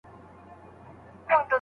- محد افضل شهیر، شاعر او ليکوال.